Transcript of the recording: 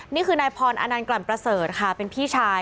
นี่คือนายพรอนันต์กลั่นประเสริฐค่ะเป็นพี่ชาย